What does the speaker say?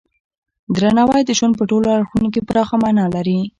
درناوی د ژوند په ټولو اړخونو کې پراخه معنی لري.